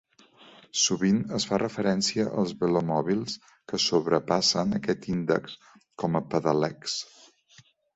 Sovint es fa referència als velomòbils que sobrepassen aquest índex com a "pedelecs".